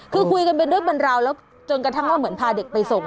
คือคุยกันเป็นเรื่องเป็นราวแล้วจนกระทั่งว่าเหมือนพาเด็กไปส่ง